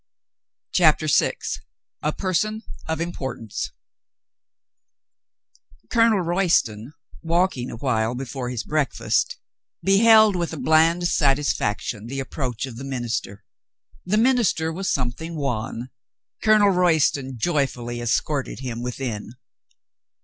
CHAPTER SIX A PERSON OF IMPORTANCE COLONEL ROYSTON, walking a while before his breakfast, beheld with a bland satisfaction the approach of the minister. The minister was something wan. Colonel Royston joyfully escorted him within.